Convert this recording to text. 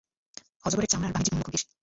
অজগরের চামড়ার বাণিজ্যিক মূল্য খুব বেশি।